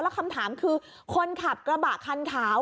คำถามคือคนขับกระบะคันขาว